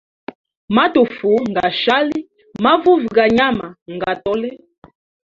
Matufu ngashali, mavuvi ga nyama nga tole.